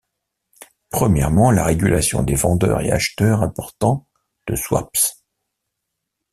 Premièrement, la régulation des vendeurs et acheteurs importants de swaps.